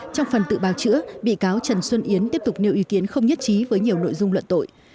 trong phần tự bào chữa bị cáo trần xuân yến tiếp tục nêu ý kiến không nhất trí với nhiều nội dung luận tội